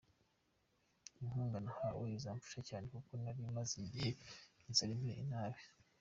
Inkunga nahawe izamfasha cyane kuko nari maze igihe inzara imereye nabi.